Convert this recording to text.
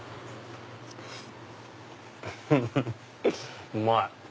フフフっうまい！